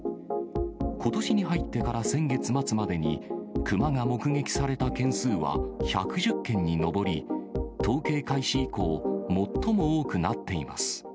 ことしに入ってから先月末までに、熊が目撃された件数は１１０件に上り、統計開始以降、最も多くなっています。